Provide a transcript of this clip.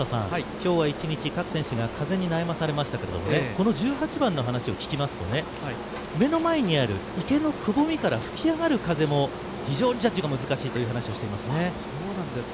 今日一日、各選手が風に悩まされましたけど１８番の話聞きますと目の前にある池のくぼみから吹き上がる風も非常にジャッジが難しいという話をしていますね。